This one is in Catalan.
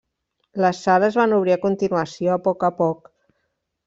Les sales van obrir a continuació a poc a poc.